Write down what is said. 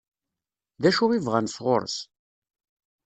D acu i bɣan sɣur-s?